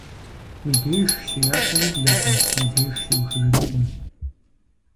Уи деж щыяпэ ублэкъым, уи деж щиухыжынукъым.